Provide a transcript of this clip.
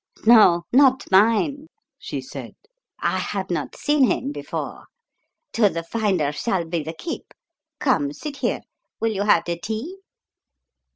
"No not mine!" she said. "I have not seen him before. To the finder shall be the keep. Come, sit here. Will you have the tea?"